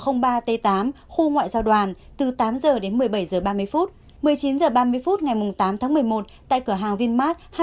khu ngoại giao đoàn từ tám h đến một mươi bảy h ba mươi một mươi chín h ba mươi phút ngày tám tháng một mươi một tại cửa hàng vinmart hai mươi